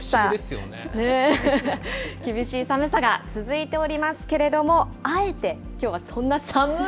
厳しい寒さが続いておりますけれども、あえて、きょうはそんな寒ーい